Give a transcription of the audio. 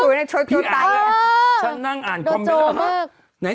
พี่อาจารย์เลยฉันนั่งอ่านคอมเมนต์แล้วนะ